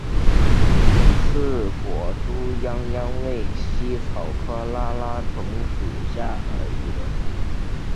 刺果猪殃殃为茜草科拉拉藤属下的一个种。